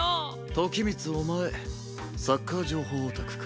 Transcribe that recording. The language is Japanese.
時光お前サッカー情報オタクか？